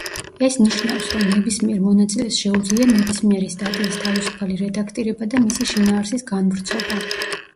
ეს ნიშნავს, რომ ნებისმიერ მონაწილეს შეუძლია ნებისმიერი სტატიის თავისუფალი რედაქტირება და მისი შინაარსის განვრცობა.